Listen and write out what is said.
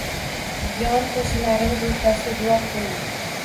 Yon qoʻshnilarimiz oʻrtasida guvoh boʻldik.